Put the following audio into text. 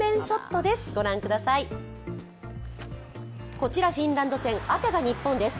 こちらフィンランド戦赤が日本です。